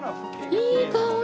いい香り！